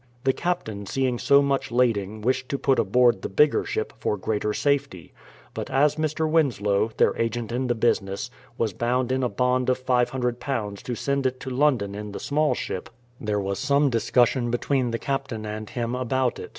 The captain seeing so much lading, wished to put aboard the bigger ship, for greater safety ; but as Mr. Winslow, their agent in the busi ness, was bound in a bond of £500 to send it to London in the small ship, there was some discussion between the cap tain and him about it.